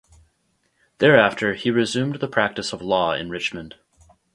Thereafter he resumed the practice of law in Richmond.